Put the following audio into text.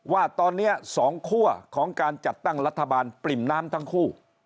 ว่าตอนนี้๒คั่วของการจัดตั้งรัฐบาลปริ่มน้ำทั้งคู่